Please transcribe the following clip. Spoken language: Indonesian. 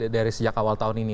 dari sejak awal tahun ini